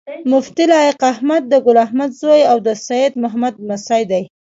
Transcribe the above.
مفتي لائق احمد د ګل احمد زوي او د سيد محمد لمسی دی